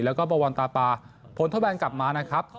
แล้วก็บวรรณตาปาผลทดแบนกลับมานะครับ